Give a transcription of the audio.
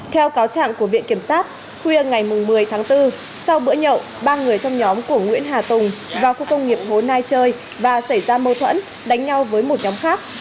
theo cáo trạng của viện kiểm sát khuya ngày một mươi tháng bốn sau bữa nhậu ba người trong nhóm của nguyễn hà tùng vào khu công nghiệp hồ nai chơi và xảy ra mâu thuẫn đánh nhau với một nhóm khác